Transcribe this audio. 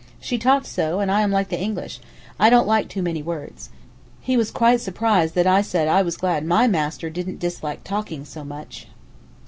she talked so, and I am like the English, I don't like too many words.' He was quite surprised that I said I was glad my master didn't dislike talking so much.